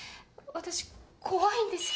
「私怖いんです」